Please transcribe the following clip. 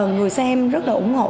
người xem rất là ủng hộ